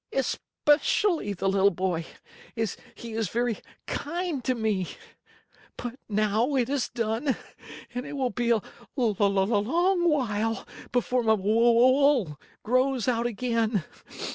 Especially the little boy, as he is very kind to me. "But now it is done, and it will be a long while before my wool grows out again.